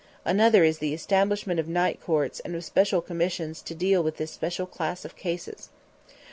Another is the establishment of night courts and of special commissions to deal with this special class of cases.